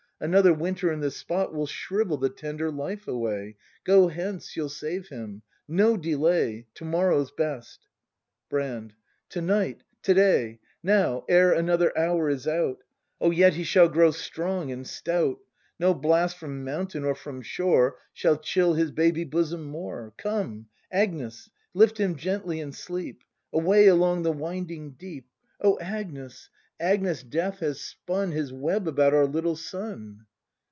Another winter in this spot Will shrivel the tender life away. Go hence, you'll save him! No delay! To morrow's best. Brand. To night, — to day ! Now, ere another hour is out! O yet he shall grow strong and stout; — No blast from mountain or from shore Shall chill his baby bosom more. Come, Agnes, lift him gently in sleep! Away along the winding deep! ACT III] BRAND 141 O Agnes, Agnes, death has spun His web about our little son!